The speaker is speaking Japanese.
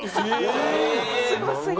すごすぎる。